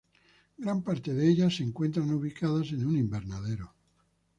Gran parte de ellas se encuentran ubicadas en un invernadero.